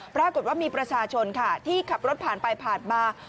ปรากฏว่ามีประชาชนค่ะที่ขับรถผ่านไปผ่านมา